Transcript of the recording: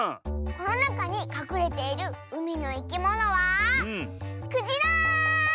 このなかにかくれているうみのいきものはクジラ！